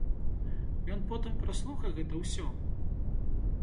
Ён потым праслухае гэта ўсё.